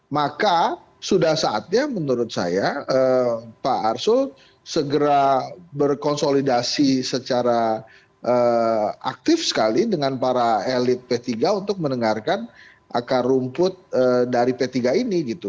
maka sudah saatnya menurut saya pak arsul segera berkonsolidasi secara aktif sekali dengan para elit p tiga untuk mendengarkan akar rumput dari p tiga ini gitu